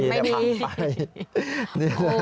สิ่งไม่ดี